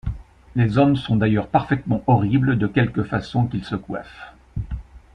Les hommes sont d’ailleurs parfaitement horribles de quelque façon qu’ils se coiffent.